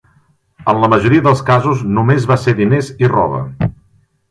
En la majoria dels casos només va ser diners i roba.